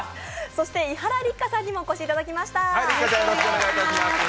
そして伊原六花さんにもお越しいただきました。